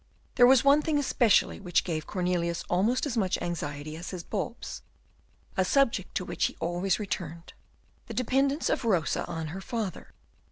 There was one thing especially which gave Cornelius almost as much anxiety as his bulbs a subject to which he always returned the dependence of Rosa on her father.